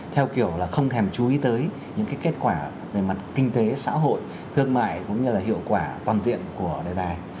theo kiểu là không thèm chú ý tới những kết quả về mặt kinh tế xã hội thương mại cũng như là hiệu quả toàn diện của đề tài